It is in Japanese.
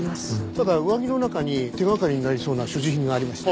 ただ上着の中に手掛かりになりそうな所持品がありました。